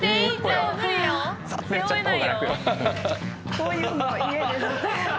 こういうのを家で。